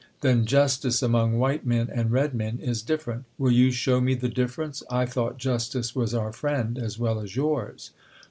Then justice among White Men and Red Men is different: will you show me the difference? I thought justice was our friend as well as yours.